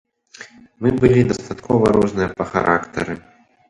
Мы былі дастаткова розныя па характары.